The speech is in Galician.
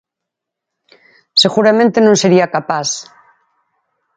Seguramente non sería capaz.